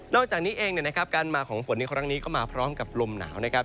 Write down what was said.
นอกจากนี้เองการมาของฝนในครั้งนี้ก็มาพร้อมกับลมหนาว